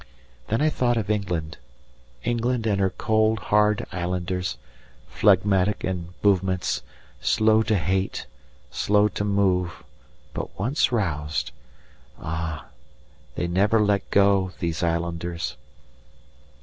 Then I thought of England England, and her cold, hard islanders, phlegmatic in movements, slow to hate, slow to move, but once roused ah! they never let go, these islanders!